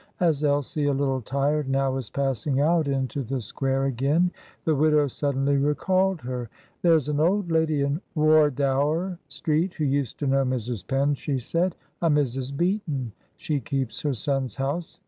As Elsie, a little tired now, was passing out into the square again the widow suddenly recalled her. "There's an old lady in Wardour Street who used to know Mrs. Penn," she said; "a Mrs. Beaton. She keeps her son's house.